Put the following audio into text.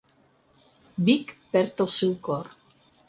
Vic perd el seu cor.